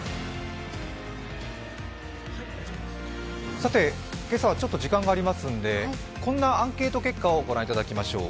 さて今朝はちょっと時間がありますのでこんなアンケート結果を御覧いただきましょう。